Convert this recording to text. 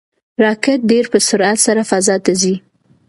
راکټ ډېر په سرعت سره فضا ته ځي.